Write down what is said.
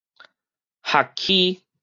礐敧